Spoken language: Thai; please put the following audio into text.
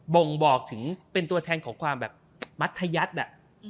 บ่งบอกถึงเป็นตัวแทนของความแบบมัธยัตน์อะ